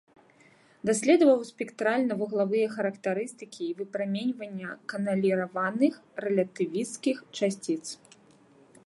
Даследаваў спектральна-вуглавыя характарыстыкі выпраменьвання каналіраваных рэлятывісцкіх часціц.